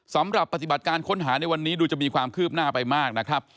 สำหรับปฏิบัติการค้นหาในวันนี้ดูจะมีความคืบหน้าไปมากนะครับ